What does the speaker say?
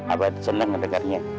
abah seneng ngedengarnya